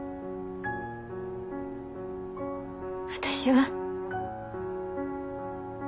私は。